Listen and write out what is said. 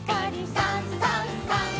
「さんさんさん」